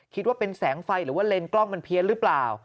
คิดว่าเป็นแสงไฟหรือว่าเลนกล้องมันเพี้ยนหรือเปล่า